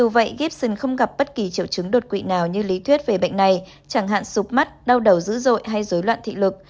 vậy gibson không gặp bất kỳ triệu chứng đột quỵ nào như lý thuyết về bệnh này chẳng hạn sụp mắt đau đầu dữ dội hay dối loạn thị lực